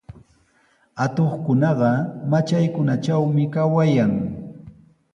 Atuqkunaqa matraykunatrawmi kawayan.